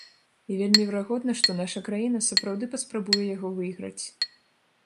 І вельмі верагодна, што наша краіна сапраўды паспрабуе яго выйграць.